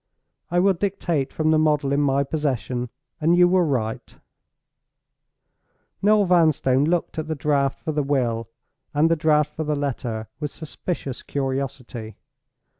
I will dictate from the model in my possession and you will write." Noel Vanstone looked at the draft for the Will and the draft for the Letter with suspicious curiosity.